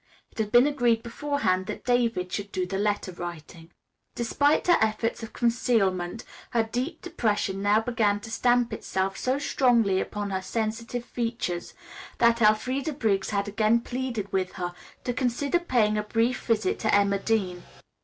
It had been agreed beforehand that David should do the letter writing. Despite her efforts at concealment, her deep depression now began to stamp itself so strongly upon her sensitive features, that Elfreda Briggs had again pleaded with her to consider paying a brief visit to Emma Dean.